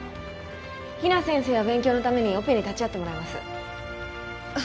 比奈先生は勉強のためにオペに立ち会ってもらいますあっ